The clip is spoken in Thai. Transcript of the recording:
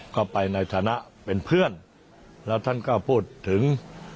ก็ไปในฐานะเป็นเพื่อนแล้วท่านก็พูดถึง